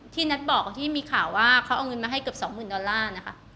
นัทบอกที่มีข่าวว่าเขาเอาเงินมาให้เกือบ๒๐๐๐ดอลลาร์นะคะ